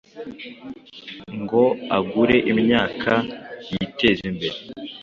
ngo agure imyaka yiteze imbere